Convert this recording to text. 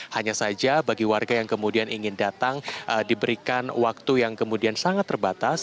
hanya saja bagi warga yang kemudian ingin datang diberikan waktu yang kemudian sangat terbatas